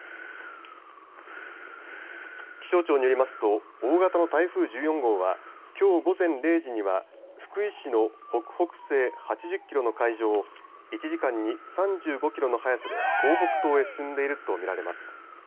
気象庁によりますと大型の台風１４号はきょう午前０時には福井市の北北西８０キロの海上を１時間に３５キロの速さで東北東へ進んでいると見られます。